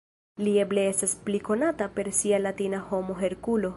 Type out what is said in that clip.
Li eble estas pli konata per sia latina nomo Herkulo.